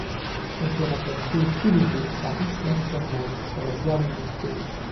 Elle fut remplacée au pied levée par Mix Master Mike sur la Garden Stage.